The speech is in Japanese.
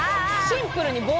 シンプルに冒涜。